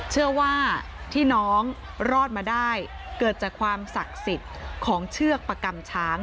เชื่อว่าที่น้องรอดมาได้เกิดจากความศักดิ์สิทธิ์ของเชือกประกำช้าง